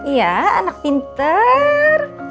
iya anak pinter